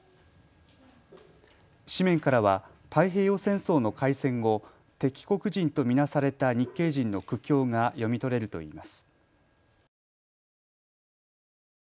紙面からは太平洋戦争の開戦後、敵国人と見なされた日系人の苦境が読み取れるといいます。